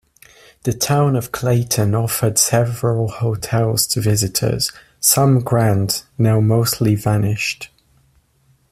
The Town of Clayton offered several hotels to visitors, some grand, now mostly vanished.